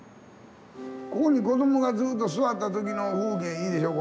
ここに子どもがずっと座った時の風景いいでしょ。